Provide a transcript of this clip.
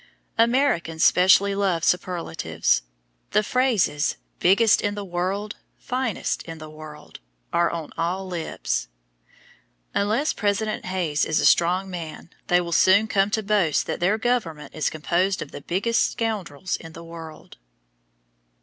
Americans specially love superlatives. The phrases "biggest in the world," "finest in the world," are on all lips. Unless President Hayes is a strong man they will soon come to boast that their government is composed of the "biggest scoundrels" in the world.